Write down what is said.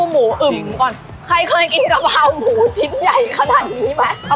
อ๋อฮะ